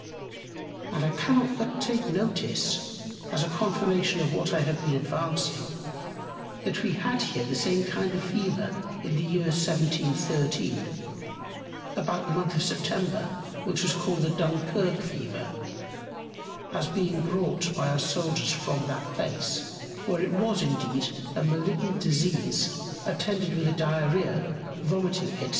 And I cannot but take Notice, as a Confirmation of what I have been advancing, that we had here the same kind of Fever in the Year 1713, about the Month of September, which was called the Dunkirk Fever, as being brought by our Soldiers from that Place; where it was indeed a Malignant Disease attended with a Diarrhœa, Vomiting, &c.